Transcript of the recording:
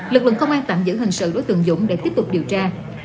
lực lượng công an tạm giữ hình sự đối tượng dũng để tiếp tục điều tra